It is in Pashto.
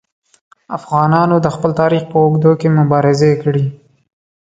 افغانانو د خپل تاریخ په اوږدو کې مبارزې کړي.